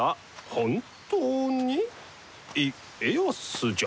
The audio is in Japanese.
本当に家康じゃ。